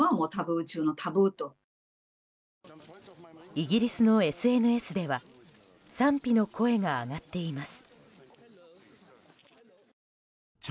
イギリスのＳＮＳでは賛否の声が上がっています。